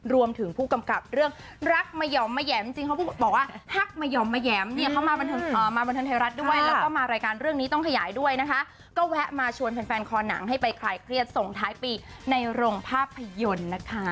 เรื่องนี้ต้องขยายด้วยนะคะก็แวะมาชวนแฟนคอนังให้ไปคลายเครียดส่งท้ายปีในโรงภาพยนตร์นะคะ